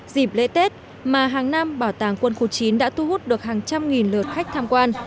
dịp lễ tết mà hàng năm bảo tàng quân khu chín đã thu hút được hàng trăm nghìn lượt khách tham quan